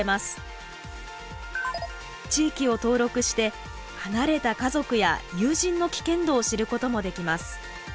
地域を登録して離れた家族や友人の危険度を知ることもできます。